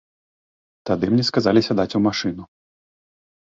Тады мне сказалі сядаць у машыну.